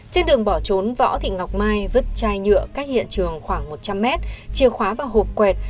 trên đường bỏ trốn võ thị ngọc mai vứt chai nhựa cách hiện trường khoảng một trăm linh mét chia khóa vào hộp quẹt